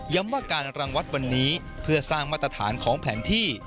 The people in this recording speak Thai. ว่าการรังวัดวันนี้เพื่อสร้างมาตรฐานของแผนที่